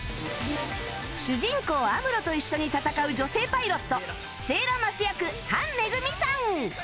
主人公アムロと一緒に戦う女性パイロットセイラ・マス役潘めぐみさん